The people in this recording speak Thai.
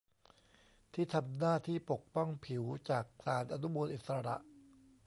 ที่ทำหน้าที่ปกป้องผิวจากสารอนุมูลอิสระ